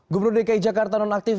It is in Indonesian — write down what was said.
gubernur dki jakarta nonaktif